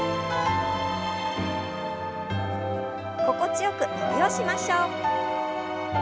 心地よく伸びをしましょう。